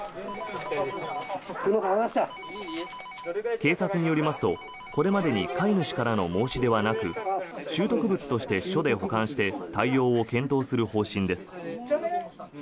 警察によりますと、これまでに飼い主からの申し出はなく拾得物として署で保管して対応を検討する方針です。